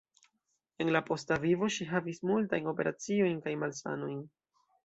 En la posta vivo ŝi havis multajn operaciojn kaj malsanojn.